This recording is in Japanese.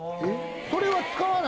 それは使わないの？